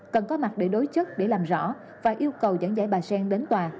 cần có mặt để đối chất để làm rõ và yêu cầu giảng dạy bà sen đến tòa